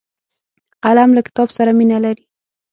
قلم له کتاب سره مینه لري